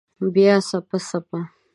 بیا څپه، څپه